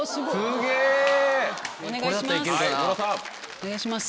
お願いします。